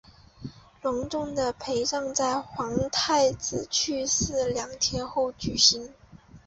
隆重的葬礼在皇太子去世两天后举行。